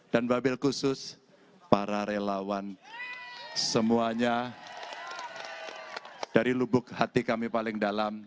dan babil khusus para relawan semuanya dari lubuk hati kami paling dalam